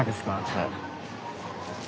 はい。